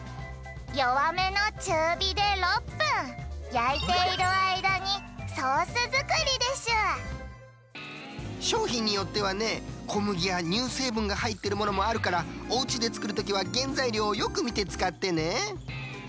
焼いているあいだにソース作りでしゅしょうひんによってはね小麦やにゅうせいぶんがはいっているものもあるからおうちで作るときはげんざいりょうをよくみて使ってね。